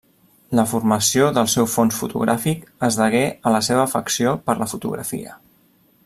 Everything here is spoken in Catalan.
La formació del seu fons fotogràfic es degué a la seva afecció per la fotografia.